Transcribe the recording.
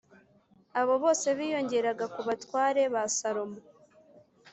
Abo bose biyongeraga ku batware ba Salomo